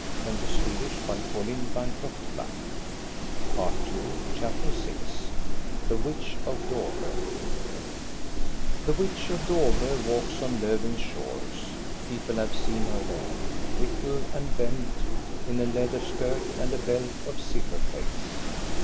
298 THE STORY OF GOSTA BERLING CHAPTER VI THE WITCH OF DOVRE The witch of Dovre walks on Lofven's shores. People have seen her there, little and bent, in a leather skirt and a belt of silver plates.